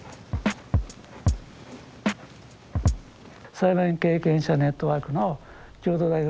裁判員経験者ネットワークの共同代表